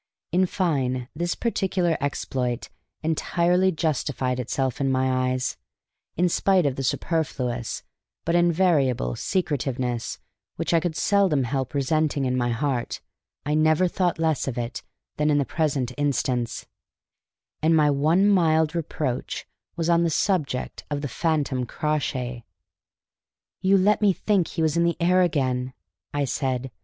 In fine, this particular exploit entirely justified itself in my eyes, in spite of the superfluous (but invariable) secretiveness which I could seldom help resenting in my heart. I never thought less of it than in the present instance; and my one mild reproach was on the subject of the phantom Crawshay. "You let me think he was in the air again," I said.